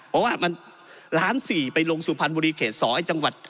เพราะว่ามัน๑๔๐๐๐๐๐ไปลงสุพรรณบริเขต๒จังหวัด